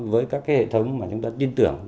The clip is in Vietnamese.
với các hệ thống mà chúng ta tin tưởng